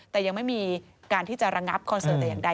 แต่ยังไม่มีการที่จะระงับคอนเสิร์ตแต่อย่างใด